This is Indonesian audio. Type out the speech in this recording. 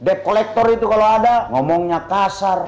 dep kolektor itu kalau ada ngomongnya kasar